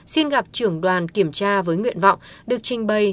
xin gặp trưởng đoàn kiểm tra với nguyện vọng được trình bày